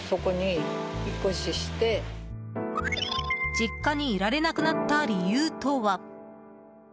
実家にいられなくなった理由とは。